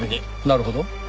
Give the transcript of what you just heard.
なるほど。